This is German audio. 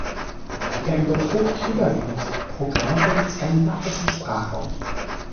Er übertrug überwiegend Programme für den skandinavischen Sprachraum.